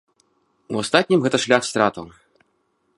У астатнім гэта шлях стратаў.